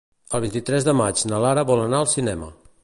El vint-i-tres de maig na Nara vol anar al cinema.